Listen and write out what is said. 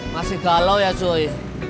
masih galau ya cuy